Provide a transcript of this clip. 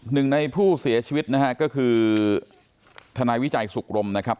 หนึ่งในผู้เสียชีวิตนะฮะก็คือทนายวิจัยสุขรมนะครับ